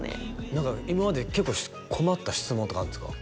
何か今まで結構困った質問とかあるんですか？